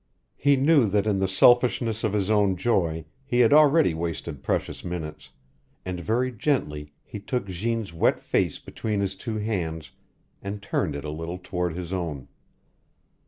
He knew that in the selfishness of his own joy he had already wasted precious minutes, and very gently he took Jeanne's wet face between his two hands and turned it a little toward his own.